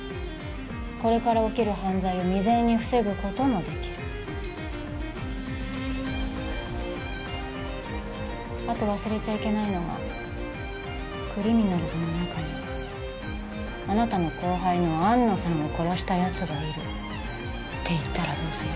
これから起きる犯罪を未然に防ぐこともできるあと忘れちゃいけないのがクリミナルズの中にはあなたの後輩の安野さんを殺したやつがいるって言ったらどうする？